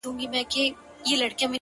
• د چینجیو په څېر یو په بل لګېږي,